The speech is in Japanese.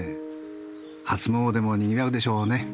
初詣もにぎわうでしょうね。